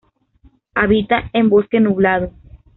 Habita en bosque nublado.